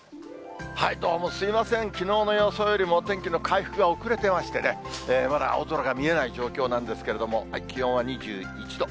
どうもすみません、きのうの予想よりもお天気の回復が遅れてましてね、まだ青空が見えない状況なんですけども、気温は２１度。